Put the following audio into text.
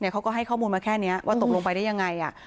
เขาก็ให้ข้อมูลมาแค่นี้ว่าตกลงไปได้ยังไง